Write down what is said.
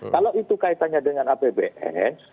kalau itu kaitannya dengan apbn